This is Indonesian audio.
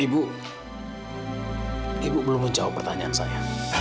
ibu ibu belum menjawab pertanyaan saya